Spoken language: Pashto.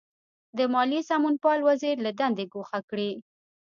د مالیې سمونپال وزیر له دندې ګوښه کړي.